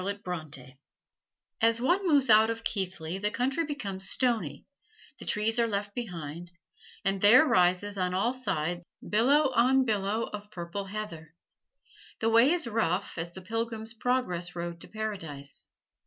As one moves out of Keighley the country becomes stony; the trees are left behind, and there rises on all sides billow on billow of purple heather. The way is rough as the Pilgrim's Progress road to Paradise.